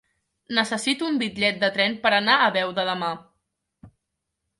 Necessito un bitllet de tren per anar a Beuda demà.